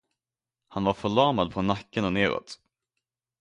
Han var förlamad från nacken och neråt.